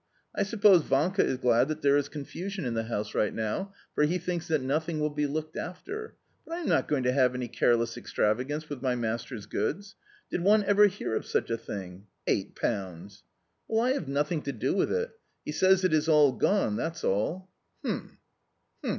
I suppose Vanka is glad that there is confusion in the house just now, for he thinks that nothing will be looked after, but I am not going to have any careless extravagance with my master's goods. Did one ever hear of such a thing? Eight pounds!" "Well, I have nothing to do with it. He says it is all gone, that's all." "Hm, hm!